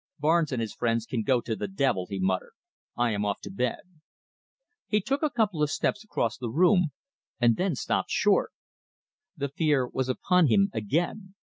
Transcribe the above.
"Barnes and his friends can go to the devil," he muttered. "I am off to bed." He took a couple of steps across the room, and then stopped short. The fear was upon him again.